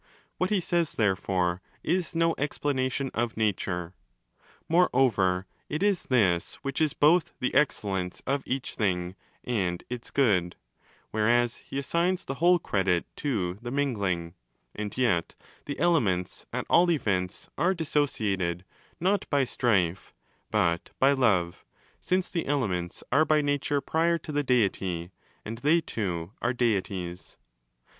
What he says, therefore, is no explanation of 'nature'. Moreover, it is ¢2zs which is both 'the excel lence' of each thing and its 'good': whereas he assigns the 20 whole credit to the 'mingling'.® (And yet the 'elements' at all events are 'dissociated' not by Strife, but by Love: 'since the 'elements' are by nature prior to the Deity, and they too are Deities.)